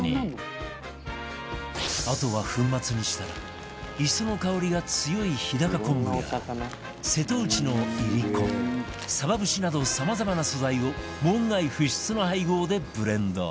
あとは粉末にしたら磯の香りが強い日高昆布や瀬戸内のいりこさば節などさまざまな素材を門外不出の配合でブレンド